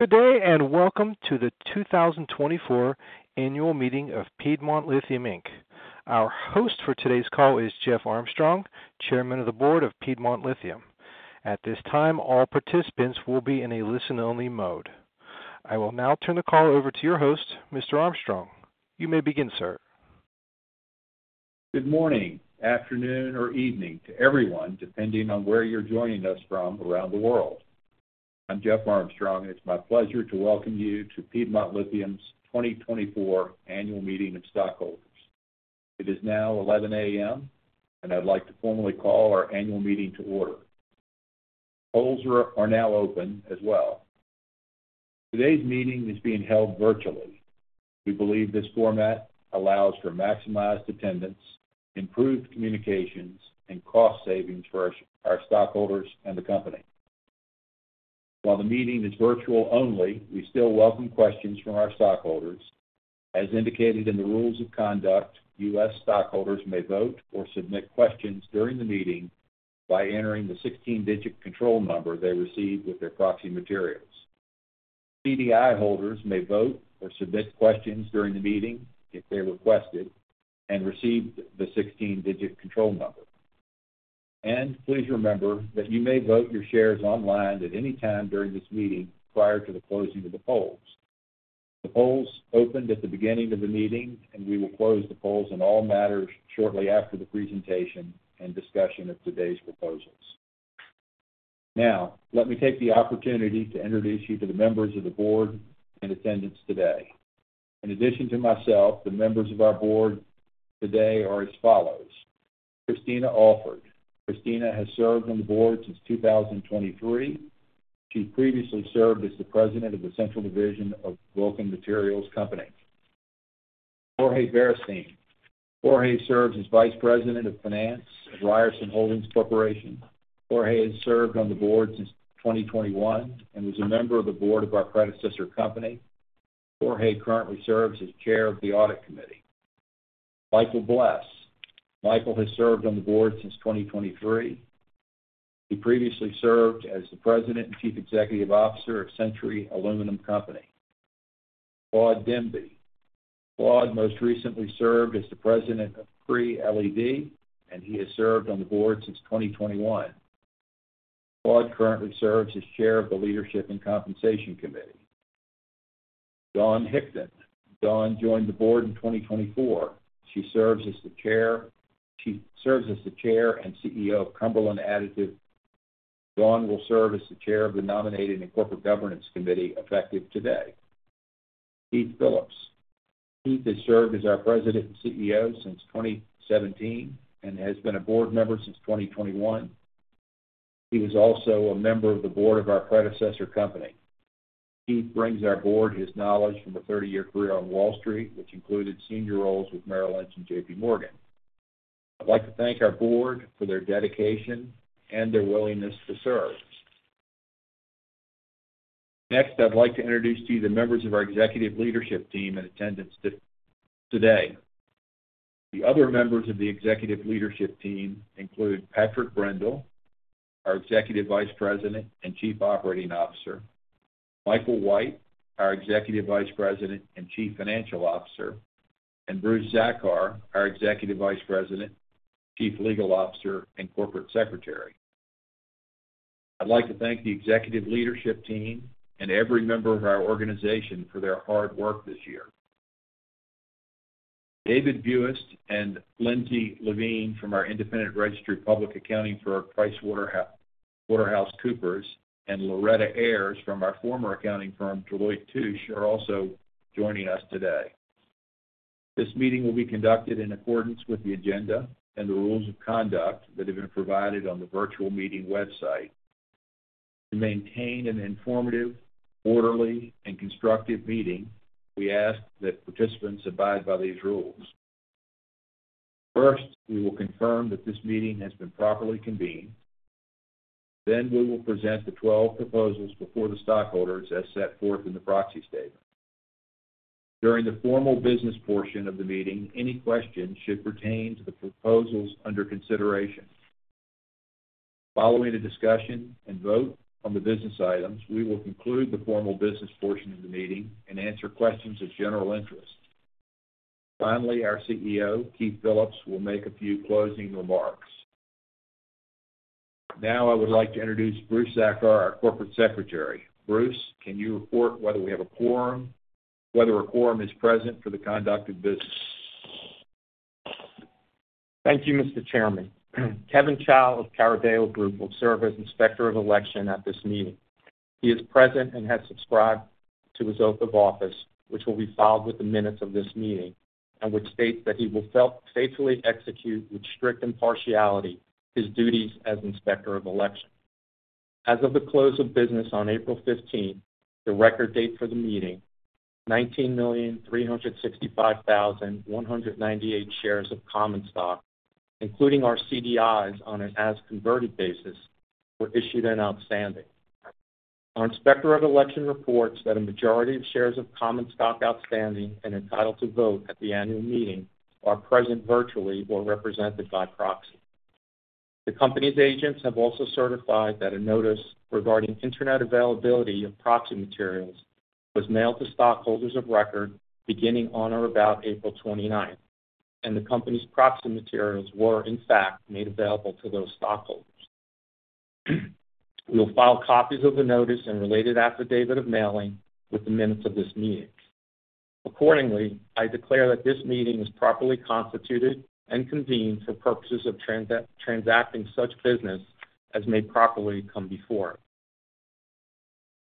Good day, and welcome to the 2024 Annual Meeting of Piedmont Lithium Inc. Our host for today's call is Jeff Armstrong, Chairman of the Board of Piedmont Lithium. At this time, all participants will be in a listen-only mode. I will now turn the call over to your host, Mr. Armstrong. You may begin, sir. Good morning, afternoon, or evening to everyone, depending on where you're joining us from around the world. I'm Jeff Armstrong, and it's my pleasure to welcome you to Piedmont Lithium's 2024 Annual Meeting of Stockholders. It is now 11:00 A.M., and I'd like to formally call our annual meeting to order. Polls are now open as well. Today's meeting is being held virtually. We believe this format allows for maximized attendance, improved communications, and cost savings for our stockholders and the company. While the meeting is virtual only, we still welcome questions from our stockholders. As indicated in the rules of conduct, U.S. stockholders may vote or submit questions during the meeting by entering the 16-digit control number they received with their proxy materials. CDI holders may vote or submit questions during the meeting if they requested and received the 16-digit control number. Please remember that you may vote your shares online at any time during this meeting prior to the closing of the polls. The polls opened at the beginning of the meeting, and we will close the polls on all matters shortly after the presentation and discussion of today's proposals. Now, let me take the opportunity to introduce you to the members of the board in attendance today. In addition to myself, the members of our board today are as follows: Christina Alvord. Christina has served on the board since 2023. She previously served as the president of the Central Division of Vulcan Materials Company. Jorge Beristain. Jorge serves as Vice President of Finance at Ryerson Holdings Corporation. Jorge has served on the board since 2021 and was a member of the board of our predecessor company. Jorge currently serves as Chair of the Audit Committee. Michael Bless. Michael has served on the board since 2023. He previously served as the President and Chief Executive Officer of Century Aluminum Company. Claude Demby. Claude most recently served as the President of Cree LED, and he has served on the board since 2021. Claude currently serves as Chair of the Leadership and Compensation Committee. Dawne Hickton. Dawne joined the board in 2024. She serves as the Chair... She serves as the Chair and CEO of Cumberland Additive. Dawne will serve as the Chair of the Nominating and Corporate Governance Committee, effective today. Keith Phillips. Keith has served as our President and CEO since 2017 and has been a board member since 2021. He was also a member of the board of our predecessor company. Keith brings our board his knowledge from a 30-year career on Wall Street, which included senior roles with Merrill Lynch and J.P. Morgan. I'd like to thank our board for their dedication and their willingness to serve. Next, I'd like to introduce to you the members of our executive leadership team in attendance today. The other members of the executive leadership team include Patrick Brindle, our Executive Vice President and Chief Operating Officer. Michael White, our Executive Vice President and Chief Financial Officer. and Bruce Czachor, our Executive Vice President, Chief Legal Officer, and Corporate Secretary. I'd like to thank the executive leadership team and every member of our organization for their hard work this year. David Buist and Lindsay Levin from our independent registered public accounting firm, PricewaterhouseCoopers, and Loretta Ayers from our former accounting firm, Deloitte & Touche, are also joining us today. This meeting will be conducted in accordance with the agenda and the rules of conduct that have been provided on the virtual meeting website. To maintain an informative, orderly and constructive meeting, we ask that participants abide by these rules. First, we will confirm that this meeting has been properly convened. Then, we will present the 12 proposals before the stockholders, as set forth in the proxy statement. During the formal business portion of the meeting, any questions should pertain to the proposals under consideration. Following the discussion and vote on the business items, we will conclude the formal business portion of the meeting and answer questions of general interest. Finally, our CEO, Keith Phillips, will make a few closing remarks. Now, I would like to introduce Bruce Czachor, our Corporate Secretary. Bruce, can you report whether we have a quorum, whether a quorum is present for the conduct of business? Thank you, Mr. Chairman. Kevin Chow of Carideo Group will serve as Inspector of Election at this meeting. He is present and has subscribed to his oath of office, which will be filed with the minutes of this meeting, and which states that he will faithfully execute with strict impartiality his duties as Inspector of Election. As of the close of business on April 15th, the record date for the meeting, 19,365,198 shares of common stock, including our CDIs on an as converted basis, were issued and outstanding. Our Inspector of Election reports that a majority of shares of common stock outstanding and entitled to vote at the annual meeting are present virtually or represented by proxy. The company's agents have also certified that a notice regarding internet availability of proxy materials was mailed to stockholders of record beginning on or about April 29, and the company's proxy materials were, in fact, made available to those stockholders. We'll file copies of the notice and related affidavit of mailing with the minutes of this meeting. Accordingly, I declare that this meeting is properly constituted and convened for purposes of transacting such business as may properly come before it.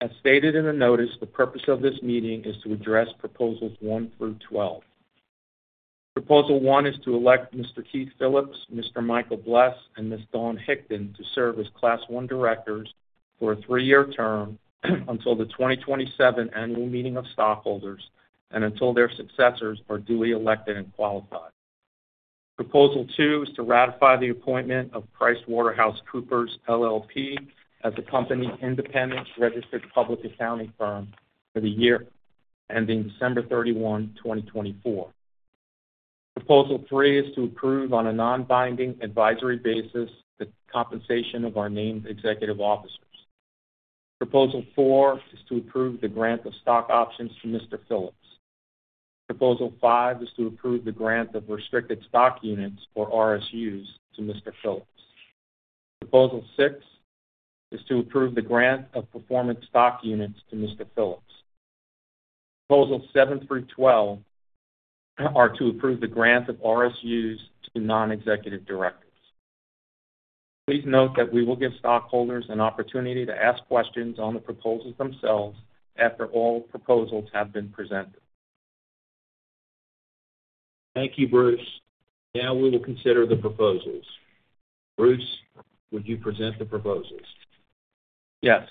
As stated in the notice, the purpose of this meeting is to address Proposals 1 through 12. Proposal 1 is to elect Mr. Keith Phillips, Mr. Michael Bless, and Ms. Dawne Hickton to serve as Class 1 directors for a three-year term until the 2027 Annual Meeting of Stockholders and until their successors are duly elected and qualified. Proposal 2 is to ratify the appointment of PricewaterhouseCoopers LLP as the company's independent registered public accounting firm for the year ending December 31, 2024. Proposal 3 is to approve, on a non-binding advisory basis, the compensation of our named executive officers. Proposal 4 is to approve the grant of stock options to Mr. Phillips. Proposal 5 is to approve the grant of restricted stock units, or RSUs, to Mr. Phillips. Proposal 6 is to approve the grant of performance stock units to Mr. Phillips. Proposals 7 through 12 are to approve the grant of RSUs to non-executive directors. Please note that we will give stockholders an opportunity to ask questions on the proposals themselves after all proposals have been presented. Thank you, Bruce. Now we will consider the proposals. Bruce, would you present the proposals? Yes.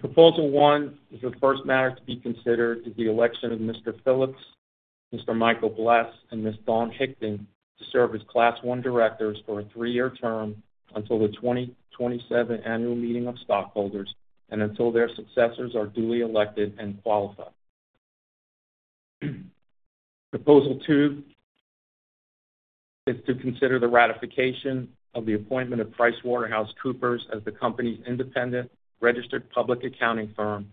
Proposal 1 is the first matter to be considered is the election of Mr. Phillips, Mr. Michael Bless, and Ms. Dawne Hickton to serve as Class I directors for a three-year term until the 2027 Annual Meeting of Stockholders and until their successors are duly elected and qualified. Proposal 2 is to consider the ratification of the appointment of PricewaterhouseCoopers as the company's independent registered public accounting firm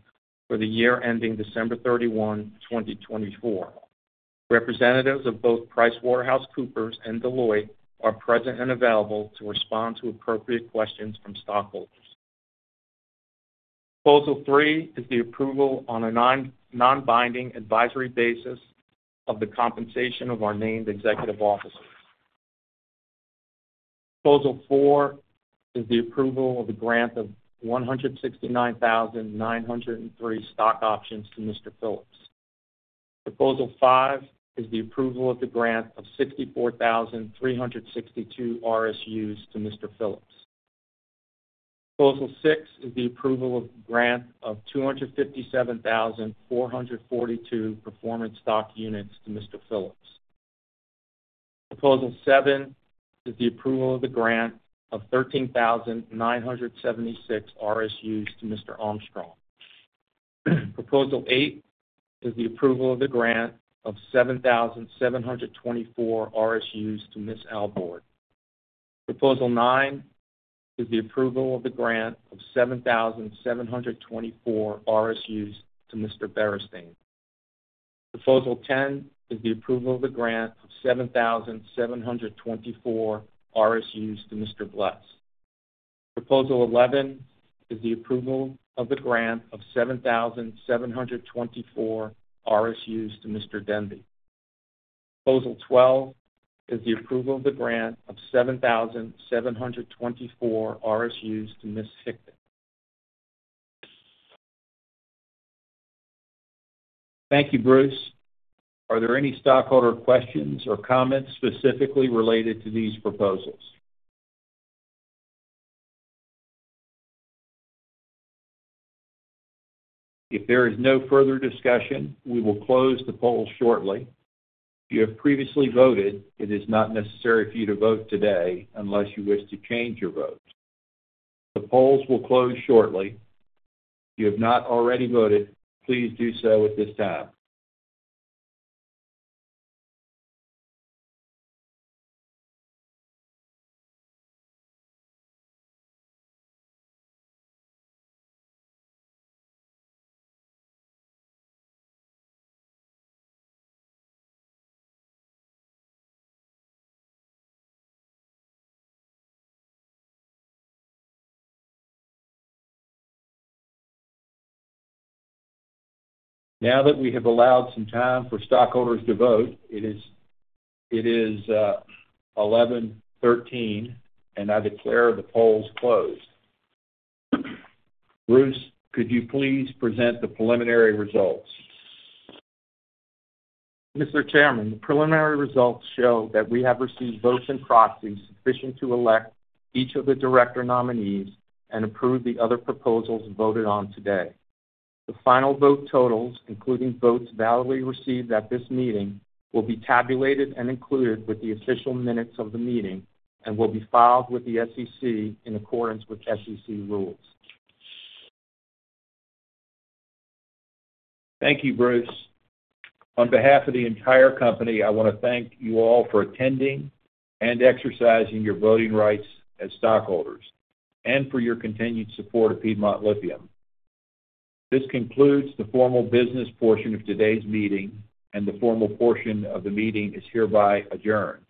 for the year ending December 31, 2024. Representatives of both PricewaterhouseCoopers and Deloitte are present and available to respond to appropriate questions from stockholders. Proposal 3 is the approval on a non-binding advisory basis of the compensation of our named executive officers. Proposal 4 is the approval of the grant of 169,003 stock options to Mr. Phillips. Proposal 5 is the approval of the grant of 64,362 RSUs to Mr. Phillips. Proposal 6 is the approval of the grant of 257,442 performance stock units to Mr. Phillips. Proposal 7 is the approval of the grant of 13,976 RSUs to Mr. Armstrong. Proposal 8 is the approval of the grant of 7,724 RSUs to Ms. Alvord. Proposal 9 is the approval of the grant of 7,724 RSUs to Mr. Beristain. Proposal 10 is the approval of the grant of 7,724 RSUs to Mr. Bless. Proposal 11 is the approval of the grant of 7,724 RSUs to Mr. Demby. Proposal 12 is the approval of the grant of 7,724 RSUs to Ms. Hickton. Thank you, Bruce. Are there any stockholder questions or comments specifically related to these proposals? If there is no further discussion, we will close the poll shortly. If you have previously voted, it is not necessary for you to vote today unless you wish to change your vote. The polls will close shortly. If you have not already voted, please do so at this time. Now that we have allowed some time for stockholders to vote, it is, it is, 11:13, and I declare the polls closed. Bruce, could you please present the preliminary results? Mr. Chairman, the preliminary results show that we have received votes and proxies sufficient to elect each of the director nominees and approve the other proposals voted on today. The final vote totals, including votes validly received at this meeting, will be tabulated and included with the official minutes of the meeting and will be filed with the SEC in accordance with SEC rules. Thank you, Bruce. On behalf of the entire company, I want to thank you all for attending and exercising your voting rights as stockholders, and for your continued support of Piedmont Lithium. This concludes the formal business portion of today's meeting, and the formal portion of the meeting is hereby adjourned.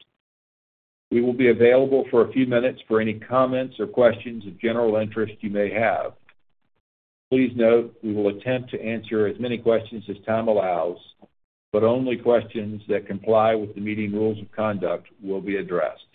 We will be available for a few minutes for any comments or questions of general interest you may have. Please note, we will attempt to answer as many questions as time allows, but only questions that comply with the meeting rules of conduct will be addressed.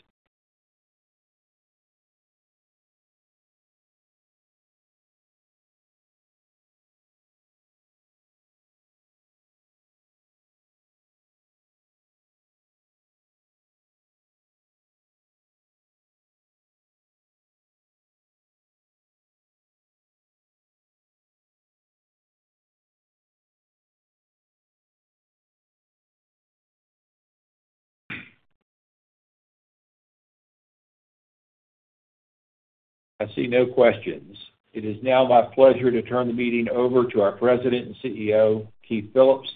I see no questions. It is now my pleasure to turn the meeting over to our President and CEO, Keith Phillips.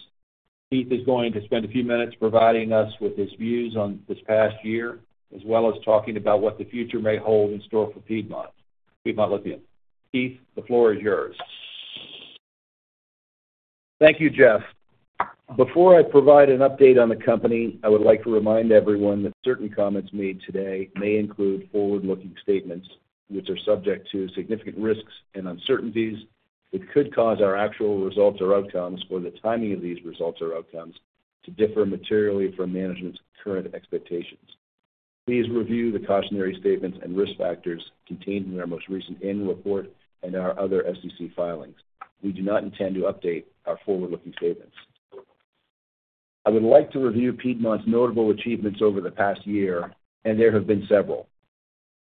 Keith is going to spend a few minutes providing us with his views on this past year, as well as talking about what the future may hold in store for Piedmont, Piedmont Lithium. Keith, the floor is yours. Thank you, Jeff. Before I provide an update on the company, I would like to remind everyone that certain comments made today may include forward-looking statements which are subject to significant risks and uncertainties that could cause our actual results or outcomes, or the timing of these results or outcomes, to differ materially from management's current expectations. Please review the cautionary statements and risk factors contained in our most recent annual report and our other SEC filings. We do not intend to update our forward-looking statements. I would like to review Piedmont's notable achievements over the past year, and there have been several.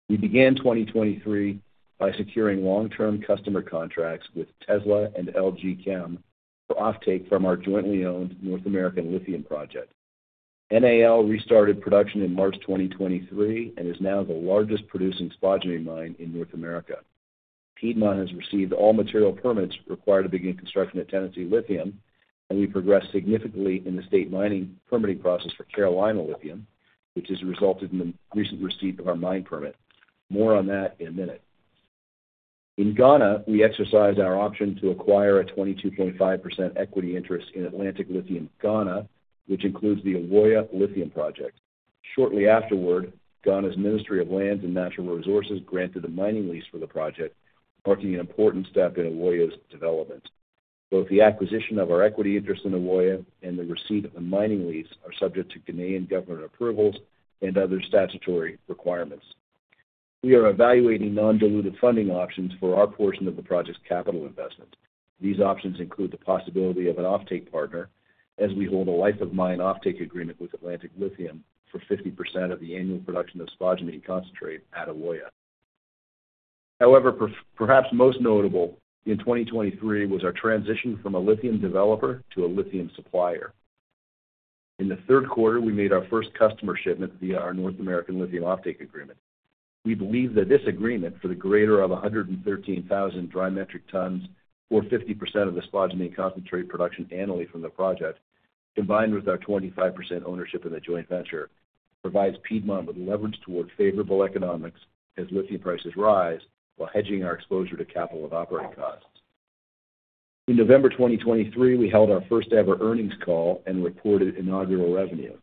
We began 2023 by securing long-term customer contracts with Tesla and LG Chem for offtake from our jointly owned North American Lithium project. NAL restarted production in March 2023 and is now the largest producing spodumene mine in North America. Piedmont has received all material permits required to begin construction at Tennessee Lithium, and we progressed significantly in the state mining permitting process for Carolina Lithium, which has resulted in the recent receipt of our mine permit. More on that in a minute. In Ghana, we exercised our option to acquire a 22.5% equity interest in Atlantic Lithium Ghana, which includes the Ewoyaa Lithium Project. Shortly afterward, Ghana's Ministry of Lands and Natural Resources granted a mining lease for the project, marking an important step in Ewoyaa's development. Both the acquisition of our equity interest in Ewoyaa and the receipt of the mining lease are subject to Ghanaian government approvals and other statutory requirements. We are evaluating non-dilutive funding options for our portion of the project's capital investment. These options include the possibility of an offtake partner, as we hold a life of mine offtake agreement with Atlantic Lithium for 50% of the annual production of spodumene concentrate at Ewoyaa. However, perhaps most notable in 2023 was our transition from a lithium developer to a lithium supplier. In the third quarter, we made our first customer shipment via our North American Lithium offtake agreement. We believe that this agreement, for the greater of 113,000 dry metric tons, or 50% of the spodumene concentrate production annually from the project, combined with our 25% ownership in the joint venture, provides Piedmont with leverage towards favorable economics as lithium prices rise while hedging our exposure to capital and operating costs. In November 2023, we held our first-ever earnings call and reported inaugural revenue.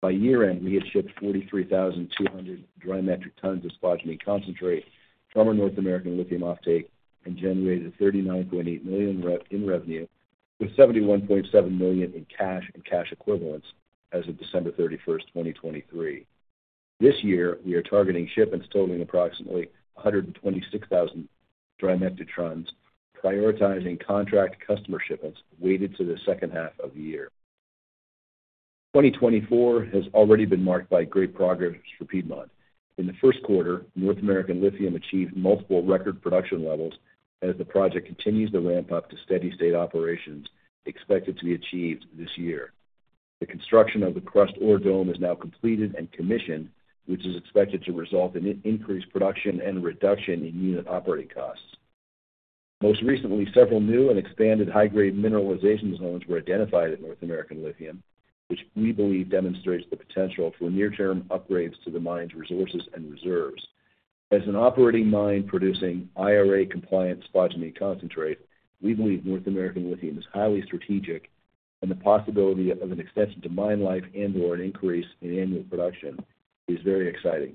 By year-end, we had shipped 43,200 dry metric tons of spodumene concentrate from our North American Lithium offtake and generated $39.8 million in revenue, with $71.7 million in cash and cash equivalents as of December 31, 2023. This year, we are targeting shipments totaling approximately 126,000 dry metric tons, prioritizing contract customer shipments weighted to the second half of the year. 2024 has already been marked by great progress for Piedmont. In the first quarter, North American Lithium achieved multiple record production levels as the project continues to ramp up to steady state operations expected to be achieved this year. The construction of the crushed ore dome is now completed and commissioned, which is expected to result in increased production and a reduction in unit operating costs. Most recently, several new and expanded high-grade mineralization zones were identified at North American Lithium, which we believe demonstrates the potential for near-term upgrades to the mine's resources and reserves. As an operating mine producing IRA-compliant spodumene concentrate, we believe North American Lithium is highly strategic, and the possibility of an extension to mine life and/or an increase in annual production is very exciting.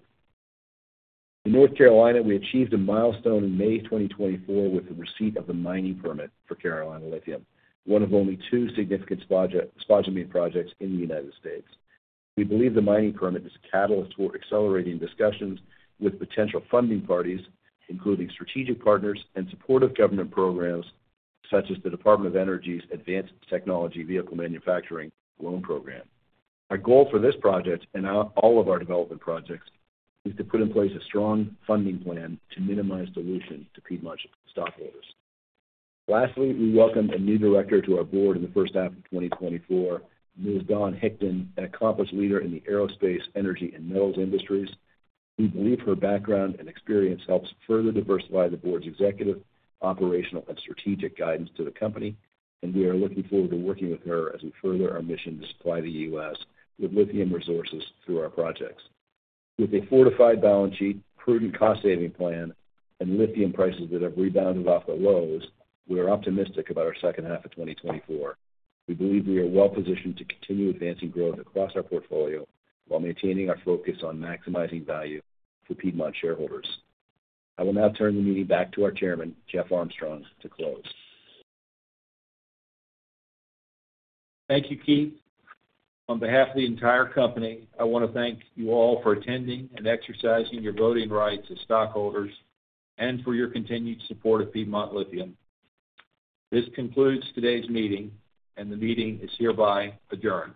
In North Carolina, we achieved a milestone in May 2024 with the receipt of the mining permit for Carolina Lithium, one of only two significant spodumene projects in the United States. We believe the mining permit is a catalyst for accelerating discussions with potential funding parties, including strategic partners and supportive government programs, such as the Department of Energy's Advanced Technology Vehicles Manufacturing Loan Program. Our goal for this project, and all of our development projects, is to put in place a strong funding plan to minimize dilution to Piedmont shareholders. Lastly, we welcomed a new director to our board in the first half of 2024, Ms. Dawne Hickton, an accomplished leader in the aerospace, energy, and metals industries. We believe her background and experience helps further diversify the board's executive, operational, and strategic guidance to the company, and we are looking forward to working with her as we further our mission to supply the U.S. with lithium resources through our projects. With a fortified balance sheet, prudent cost-saving plan, and lithium prices that have rebounded off the lows, we are optimistic about our second half of 2024. We believe we are well positioned to continue advancing growth across our portfolio while maintaining our focus on maximizing value for Piedmont shareholders. I will now turn the meeting back to our Chairman, Jeff Armstrong, to close. Thank you, Keith. On behalf of the entire company, I want to thank you all for attending and exercising your voting rights as stockholders and for your continued support of Piedmont Lithium. This concludes today's meeting, and the meeting is hereby adjourned.